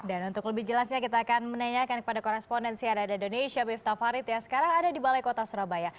dan untuk lebih jelasnya kita akan menanyakan kepada korespondensi adanya indonesia bifta farid yang sekarang ada di balai kota surabaya